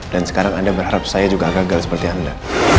dan sekarang anda berharap saya juga gagal seperti anda